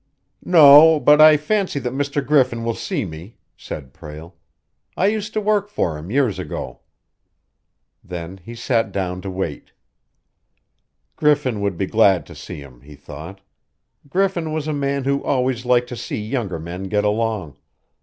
"No, but I fancy that Mr. Griffin will see me," said Prale. "I used to work for him years ago." Then he sat down to wait. Griffin would be glad to see him, he thought. Griffin was a man who always liked to see younger men get along.